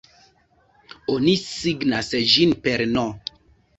Oni signas ĝin per "n!